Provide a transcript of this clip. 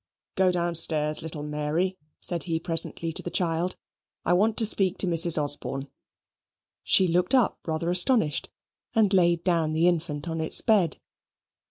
"Go downstairs, little Mary," said he presently to the child, "I want to speak to Mrs. Osborne." She looked up rather astonished, and laid down the infant on its bed.